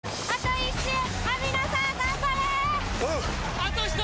あと１人！